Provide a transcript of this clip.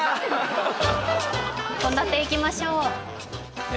献立いきましょうえ